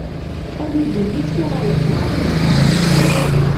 Awi-d ul-ik tuγaleḍ-d γer tmeγra.